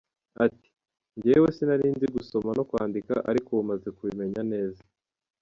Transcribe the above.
Ati: “ngewe sinari nzi gusoma no kwandika ariko ubu maze kubimenya neza.